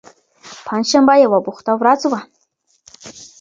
پنجشنبه یوه بوخته ورځ وه.